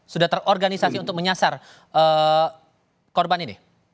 sudah terorganisasi untuk menyasar korban ini